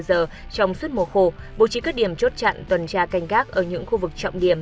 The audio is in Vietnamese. giờ trong suốt mùa khô bố trí các điểm chốt chặn tuần tra canh gác ở những khu vực trọng điểm